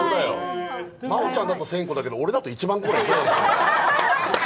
真央ちゃんだと１０００個だけど、俺だと１万個ぐらいするのかな。